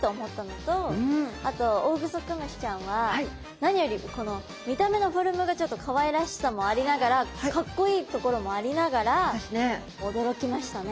あとオオグソクムシちゃんは何よりこの見た目のフォルムがちょっとかわいらしさもありながらかっこいいところもありながら驚きましたね。